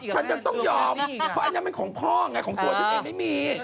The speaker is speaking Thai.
ชิ้นยังต้องยอมเพราะอันนี้มันของพ่อเนี่ยของตัวฉันเองไม่มี